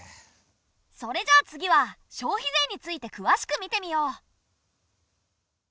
それじゃあ次は消費税についてくわしく見てみよう！